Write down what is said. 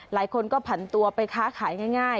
หลายคนก็ผันตัวไปค้าขายง่าย